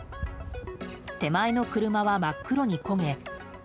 手前の車は真っ黒に焦げ。